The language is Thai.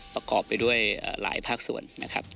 ประกอบไปด้วยหลายภาคส่วนนะครับ